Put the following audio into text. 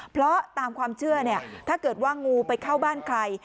เพราะตามความเชื่อเนี่ยถ้าเกิดว่างูไปเข้าบ้านใคร